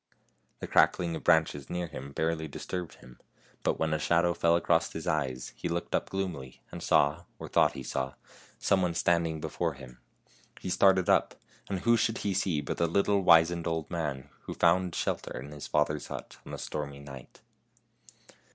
The crackling of branches near him barely disturbed him, but when a shadow fell across his eyes he looked up gloomily, and saw, or thought he saw, someone THE HUNTSMAN'S SON 91 standing before him. He started up, and who should he see but the little wizened old man who found shelter in his father's hut on the stormy night.